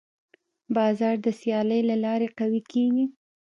بازار د سیالۍ له لارې قوي کېږي.